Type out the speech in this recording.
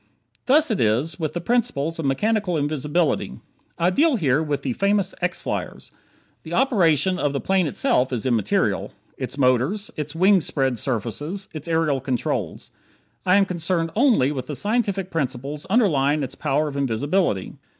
Thus it is, with the principles of mechanical invisibility. I deal here with the famous X flyers. The operation of the plane itself is immaterial; its motors; its wing spread surfaces; its aerial controls. I am concerned only with the scientific principles underlying its power of invisibility.